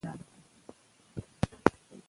مورخین باید په خپلو لیکنو کي رښتیني وي.